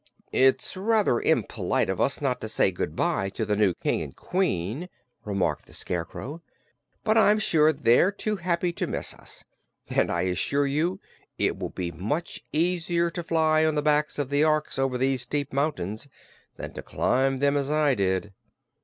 "It's rather impolite of us not to say good bye to the new King and Queen," remarked the Scarecrow, "but I'm sure they're too happy to miss us, and I assure you it will be much easier to fly on the backs of the Orks over those steep mountains than to climb them as I did."